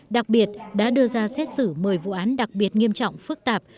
đặc biệt đã đưa ra xét xử một mươi vụ án đặc biệt nghiêm trọng phức tạp